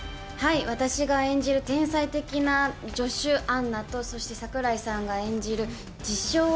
私が演じる天才的な助手、アンナと、そして櫻井さんが演じる自称